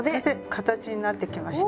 形になってきました。